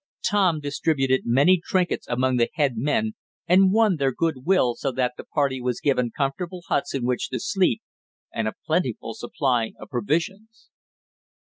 Tom distributed many trinkets among the head men and won their good will so that the party was given comfortable huts in which to sleep, and a plentiful supply of provisions.